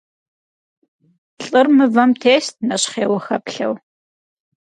Лӏыр мывэм тест, нэщхъейуэ хэплъэу.